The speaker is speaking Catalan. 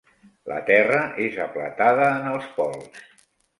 La Terra és aplatada en els pols.